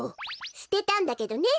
すてたんだけどね！